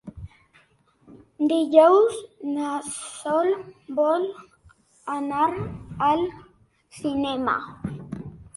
Dijous na Sol vol anar al cinema.